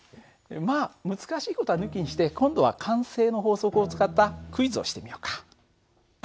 まあ難しい事は抜きにして今度は慣性の法則を使ったクイズをしてみようか。